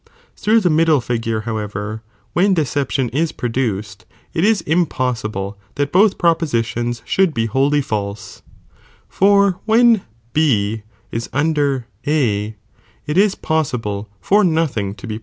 Through the middle figure however, when de c^nnot i» ceptioa is produced, it is impossible that both rtSdiir '" propositions should i)e wholly false, (for when B tigait, when jg under A, it is possible for nothing to be pre pMdSr^.